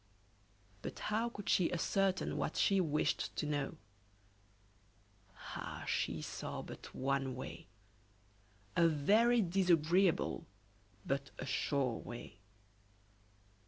But how could she ascertain what she wished to know? Ah! she saw but one way a very disagreeable, but a sure way.